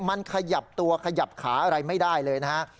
มันขยับตัวขยับขาอะไรไม่ได้เลยนะฮะ